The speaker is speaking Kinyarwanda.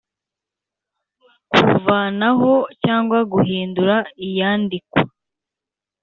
Kuvanaho cyangwa guhindura iyandikwa